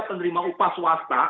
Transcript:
pekerja penerima upah swasta